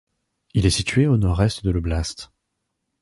Il est situé au nord-est de l'oblast.